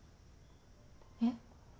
えっ？